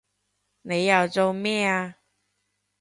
你又做咩啊